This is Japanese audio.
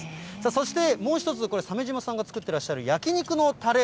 そして、もう一つ、これ、鮫島さんが作ってらっしゃる焼肉のタレ。